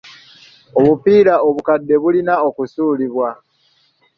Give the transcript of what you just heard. Obupiira obukadde bulina okusuulibwa.